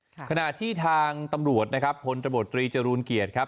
ค่ะขณะที่ทางตำรวจนะครับผลตำรวจตรีจะรุนเกียจครับ